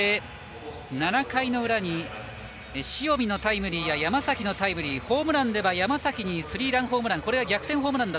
７回の裏に塩見のタイムリーや山崎のタイムリーホームランでは山崎にスリーランホームラン